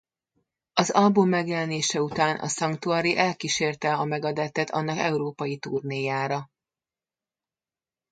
Az album megjelenése után a Sanctuary elkísérte a Megadeth-et annak európai turnéjára.